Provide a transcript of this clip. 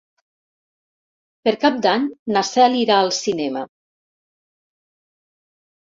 Per Cap d'Any na Cel irà al cinema.